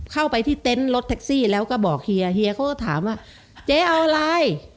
เข้าไปที่เต็นต์รถแท็กซี่แล้วก็บอกเฮียเฮียเขาก็ถามว่าเจ๊เอาอะไร